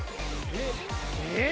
えっ？